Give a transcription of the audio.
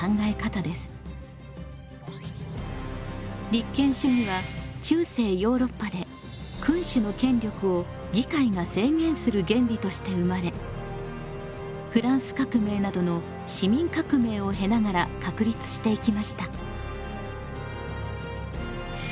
立憲主義は中世ヨーロッパで君主の権力を議会が制限する原理として生まれフランス革命などの市民革命を経ながら確立していきました。